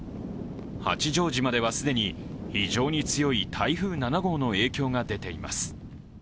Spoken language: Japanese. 八丈島では既に非常に強い台風７号の影響が出ています。